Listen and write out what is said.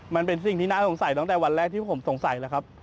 มันเป็นสิ่งที่น่าสงสัยตั้งแต่วันแรกที่ผมสงสัยแล้วครับ